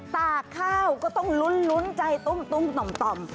ตากข้าวก็ต้องลุ้นใจตุ้มต่อม